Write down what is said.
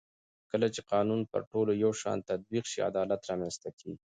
کله چې قانون پر ټولو یو شان تطبیق شي عدالت رامنځته کېږي